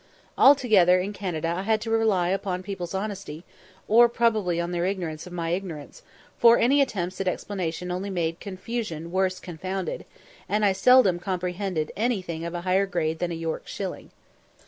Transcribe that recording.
Altogether in Canada I had to rely upon people's honesty, or probably on their ignorance of my ignorance; for any attempts at explanation only made "confusion worse confounded," and I seldom comprehended anything of a higher grade than a "York shilling."